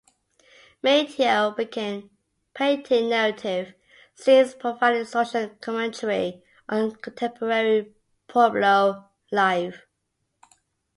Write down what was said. Mateo began painting narrative scenes providing social commentary on contemporary Pueblo life.